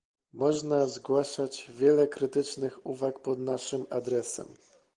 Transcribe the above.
Można zgłaszać wiele krytycznych uwag pod naszym adresem